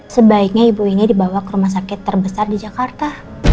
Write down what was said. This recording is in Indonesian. sebaiknya ibu ini dibawa ke rumah sakit terbesar di jakarta